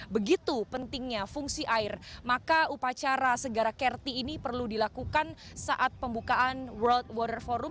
begitu pentingnya fungsi air maka upacara segara carti ini perlu dilakukan saat pembukaan world water forum